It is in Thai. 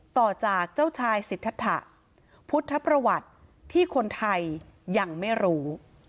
ต่อจากเจ้าชายสิทธะพุทธประวัติที่คนไทยยังไม่รู้